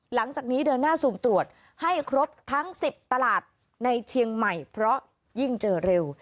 หลังจากนี้เดินหน้าสุ่มตรวจให้ครบทั้ง๑๐ตลาดในเชียงใหม่เพราะยิ่งเจอเร็ว